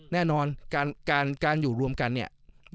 แน่นอนการอยู่รวมกันเนี่ย